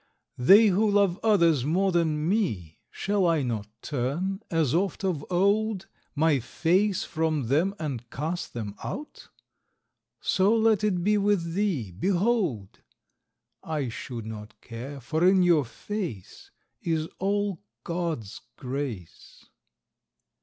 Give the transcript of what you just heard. They who love others more than me, Shall I not turn, as oft of old, My face from them and cast them out? So let it be with thee, behold!_ I should not care, for in your face Is all GOD'S grace.